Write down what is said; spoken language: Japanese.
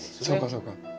そうかそうか。